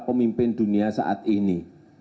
pemimpin dunia saat ini